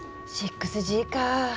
６Ｇかぁ。